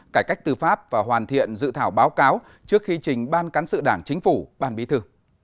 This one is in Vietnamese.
cải cách tư pháp và hoàn thiện dự thảo báo cáo trước khi trình ban cán sự đảng chính phủ ban bí thư